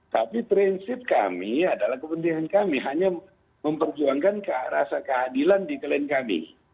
tapi prinsip kami adalah kepentingan kami hanya memperjuangkan rasa keadilan di klien kami